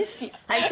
はい。